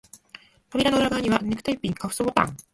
扉の裏側には、ネクタイピン、カフスボタン、